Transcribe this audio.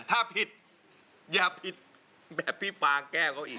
ถ้าผิดอย่าผิดแบบพี่ฟางแก้วเขาอีก